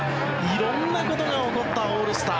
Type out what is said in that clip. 色んなことが起こったオールスター。